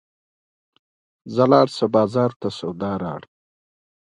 څو زده کوونکي دې د خپلې خوښې یو پاراګراف ولولي.